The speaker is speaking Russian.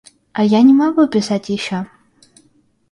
А я не могу писать еще.